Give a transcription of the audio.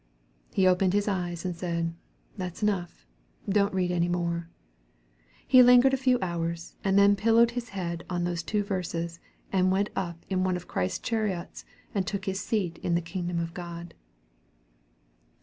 "He opened his eyes and said, 'That's enough; don't read any more.' He lingered a few hours, and then pillowed his head on those two verses, and went up in one of Christ's chariots and took his seat in the kingdom of God."